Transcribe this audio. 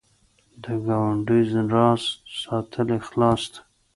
د ګاونډي راز ساتل اخلاص دی